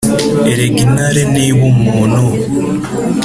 Erega intare ntiba umuntu